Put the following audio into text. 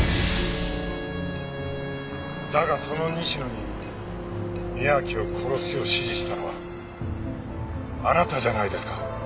だがその西野に宮脇を殺すよう指示したのはあなたじゃないですか？